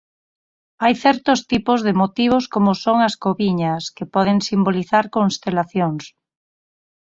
Hai certos tipos de motivos como son as coviñas, que poden simbolizar constelacións.